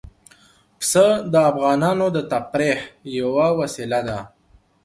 پسه د افغانانو د تفریح یوه وسیله ده.